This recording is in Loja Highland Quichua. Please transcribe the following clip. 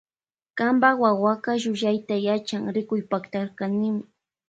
Kanpa wawa llullayta yachan rikuypaktarkanimi.